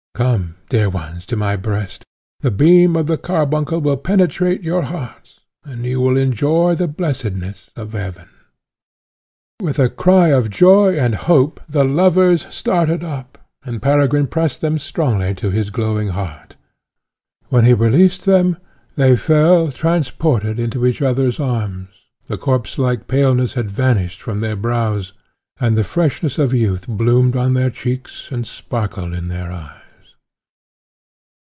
Come, dear ones, to my breast. The beam of the carbuncle will penetrate your hearts, and you will enjoy the blessedness of Heaven." With a cry of joy and hope, the lovers started up, and Peregrine pressed them strongly to his glowing heart. When he released them, they fell, transported, into each others arms; the corpse like paleness had vanished from their brows, and the freshness of youth bloomed on their cheeks and sparkled in their eyes.